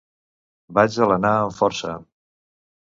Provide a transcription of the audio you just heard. Vaig alenar amb força.